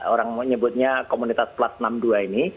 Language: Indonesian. orang menyebutnya komunitas plus enam puluh dua ini